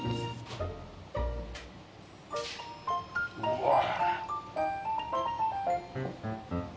うわ。